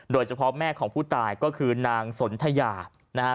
โดยเฉพาะแม่ของผู้ตายก็คือนางสนถาย่า